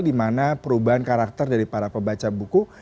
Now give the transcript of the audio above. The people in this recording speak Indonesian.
di mana perubahan karakter dari para pembaca buku